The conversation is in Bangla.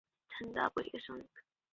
তো, আয় আমার সাথে নাচেতে, হাহ?